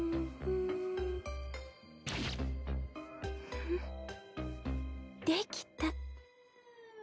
フフできた。